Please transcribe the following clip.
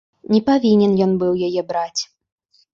Не павінен ён быў яе браць.